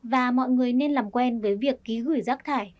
và mọi người nên làm quen với việc ký gửi rác thải